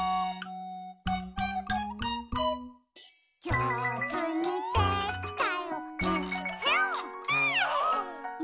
「じょうずにできたよえっへん」